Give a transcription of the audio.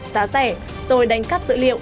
giá rẻ rồi đánh cắt dữ liệu